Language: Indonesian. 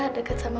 dekat sama mama